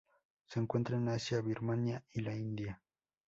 Se encuentran en Asia: Birmania y la India.